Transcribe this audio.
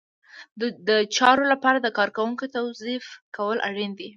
د چارو لپاره د کارکوونکو توظیف کول اړین دي.